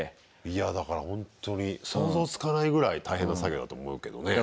いやだからほんとに想像つかないぐらい大変な作業だと思うけどね。